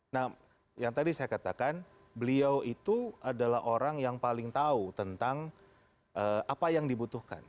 nah yang tadi saya katakan beliau itu adalah orang yang paling tahu tentang apa yang dibutuhkan